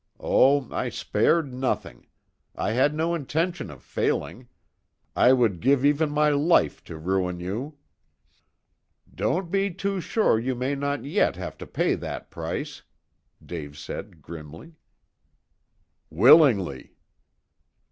Oh, I spared nothing; I had no intention of failing. I would give even my life to ruin you!" "Don't be too sure you may not yet have to pay that price," Dave said grimly. "Willingly."